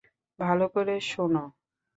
ভালো করে শোনো!